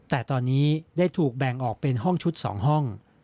แต่ตอนนี้ได้ถูกแบ่งออกเป็นห้องชุด๒ห้อง